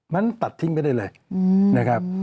มันตัดทิ้งไปได้เลยนะครับ